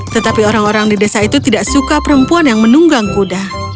tetapi orang orang di desa itu tidak suka perempuan yang menunggang kuda